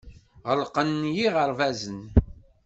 Ɣelqen yiɣerbazen.